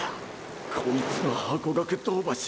こいつがハコガク銅橋。